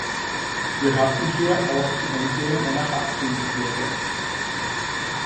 Wir hatten hier auch die Einführung einer Haftung gefordert.